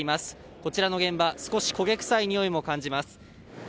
こちらの現場、少し焦げ臭いにおいも感じます。